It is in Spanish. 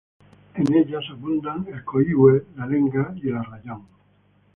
En ellas abundan el coihue, la lenga y el arrayán.